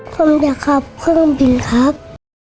ผมอยากขับเครื่องบินครับ